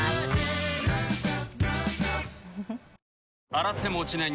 洗っても落ちない